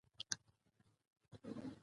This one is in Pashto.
چې خلک له دې پيفام څخه خبر شي.